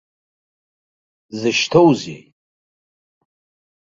Дзышьҭоузеи?